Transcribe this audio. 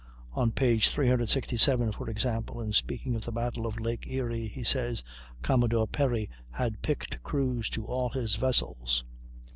On p. 367, for example, in speaking of the battle of Lake Erie he says: "Commodore Perry had picked crews to all his vessels."